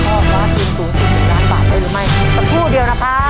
เพราะว่าคืนสูงสิบล้านบาทไปหรือไม่สักผู้เดียวนะคะ